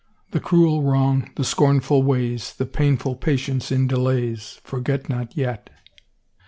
The cruel wrong, the scornful ways. The painful patience in delays, Forget not yet!